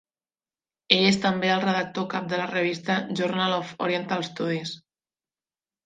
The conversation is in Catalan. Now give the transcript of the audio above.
Ell és també el redactor cap de la revista "Journal of Oriental Studies".